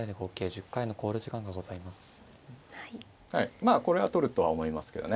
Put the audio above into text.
まあこれは取るとは思いますけどね。